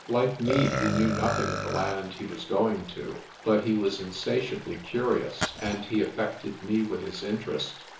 Like me, he knew nothing of the land he was going to, but he was insatiably curious, and he affected me with his interest.